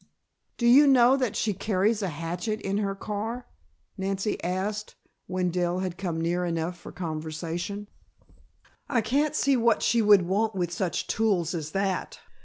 "Do you know that she carries a hatchet in her car?" Nancy asked, when Dell had come near enough for conversation, "I can't see what she would want with such tools as that."